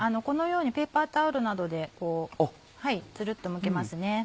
このようにペーパータオルなどでこうつるっとむけますね。